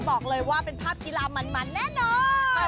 บอกเลยว่าเป็นภาพกีฬามันแน่นอน